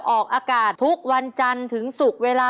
ออกอากาศทุกวันจันทร์ถึงศุกร์เวลา